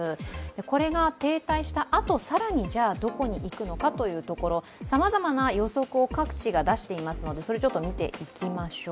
これが停滞したあと、更にどこに行くのかというところ、さまざまな予測を各地が出していますのでそれ見ていきましょう。